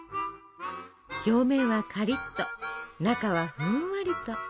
表面はカリッと中はふんわりと。